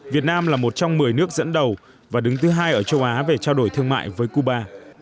việt nam là một trong một mươi nước dẫn đầu và đứng thứ hai ở châu á về trao đổi thương mại với cuba